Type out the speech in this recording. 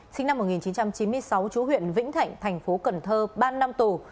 sinh năm một nghìn chín trăm chín mươi sáu chú huyện vĩnh thạnh thành phố cần thơ ba năm tù